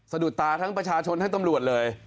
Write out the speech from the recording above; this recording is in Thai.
สะดุดตาทั้งประชาชนทั้งตำรวจเลย